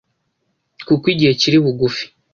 kuko igihe kiri bugufi.